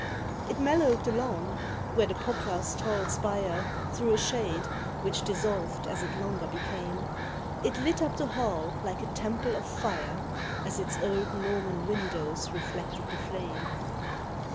It mellowed the lawn, where the poplar's tall spire Threw a shade, which dissolved as it longer became. It lit up the hall like a temple of fire As its old Norman windows reflected the flame.